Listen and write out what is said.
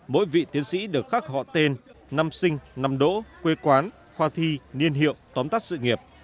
mỗi vị tiến sĩ được khắc họ tên năm sinh năm đỗ quê quán khoa thi niên hiệu tóm tắt sự nghiệp